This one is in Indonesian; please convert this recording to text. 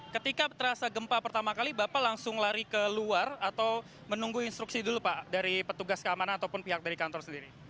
ketika terasa gempa pertama kali bapak langsung lari keluar atau menunggu instruksi dulu pak dari petugas keamanan ataupun pihak dari kantor sendiri